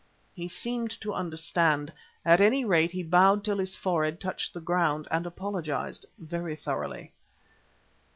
He seemed to understand. At any rate, he bowed till his forehead touched the ground, and apologised very thoroughly.